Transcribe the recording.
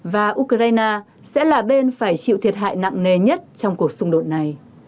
và ukraine sẽ là bên phải chịu thiệt hại nặng nề nhất trong cuộc xung đột này